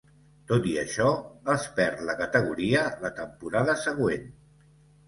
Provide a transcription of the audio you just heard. Tot i això, es perd la categoria la temporada següent.